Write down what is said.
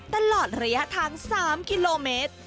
ตลอดระยะทาง๓กิโลเมตร